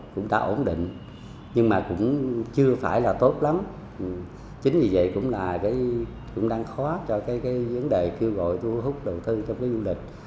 vấn đề kêu gọi thu hút đầu tư trong cái du lịch